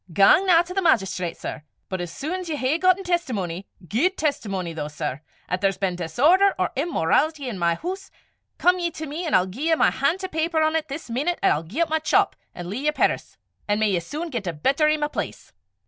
Gang na to the magistrate, sir; but as sune 's ye hae gotten testimony guid testimony though, sir 'at there's been disorder or immorawlity i' my hoose, come ye to me, an' I'll gie ye my han' to paper on 't this meenute, 'at I'll gie up my chop, an' lea' yer perris an' may ye sune get a better i' my place.